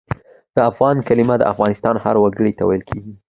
د افغان کلمه د افغانستان هر وګړي ته ویل کېږي.